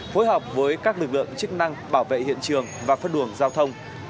phối hợp với các lực lượng chức năng bảo vệ hiện trường và phân luồng giao thông